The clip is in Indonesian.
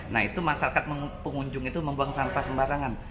nah itu masyarakat pengunjung itu membuang sampah sembarangan